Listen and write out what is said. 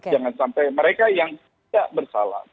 jangan sampai mereka yang tidak bersalah